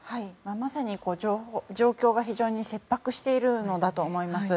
まさに状況が非常に切迫しているんだと思います。